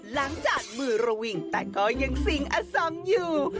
หลังจากมือระวิงแต่ก็ยังสิ่งอสมอยู่